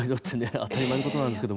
当たり前のことなんですけど。